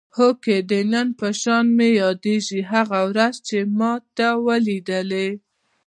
هوکې د نن په شان مې یادېږي هغه ورځ چې ما ته ولیدلې.